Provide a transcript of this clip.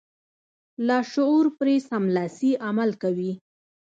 لاشعور پرې سملاسي عمل کوي.